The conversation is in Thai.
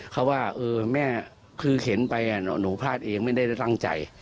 เขาว่าเออแม่คือเห็นไปหนูพลาดเองไม่ได้ตั้งใจ